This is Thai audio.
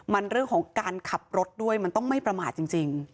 มันเรื่องของการขับรถด้วยมันต้องไม่ประมาทจริง